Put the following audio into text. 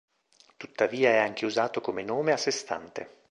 Tuttavia è anche usato come nome a sè stante.